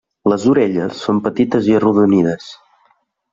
Les orelles són petites i arrodonides.